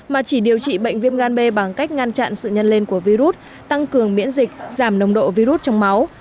mà chỉ điều trị bệnh viêm gan b bằng cách ngăn chặn sự nhân lên của virus tăng cường miễn dịch giảm nồng độ virus trong máu